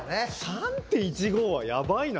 ３．１５はやばいな。